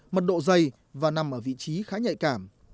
mật độ dày và nằm ở vị trí khá nhạy cảm